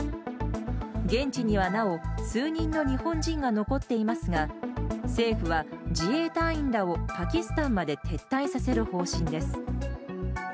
現地にはなお数人の日本人が残っていますが政府は、自衛隊員らをパキスタンまで撤退させる方針です。